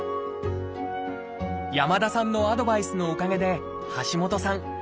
山田さんのアドバイスのおかげで橋下さん